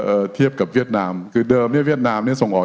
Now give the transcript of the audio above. เทียบกับเวียดนามคือเดิมเนี้ยเวียดนามเนี้ยส่งออก